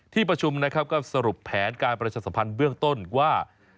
ที่ประชุมนะครับก็สรุปแผนการประชาสัมพันธ์เบื้องต้นว่า